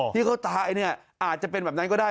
ที่เขาตายเนี่ยอาจจะเป็นแบบนั้นก็ได้